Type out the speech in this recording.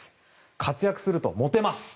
活躍するとモテます。